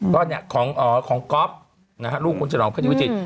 พ่อของก๊อฟนะฮะลูกหน่วยคนน้องปกป้าลิวิจิ